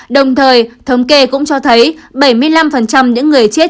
đồng thời thống kê cũng cho thấy bảy mươi năm những người chết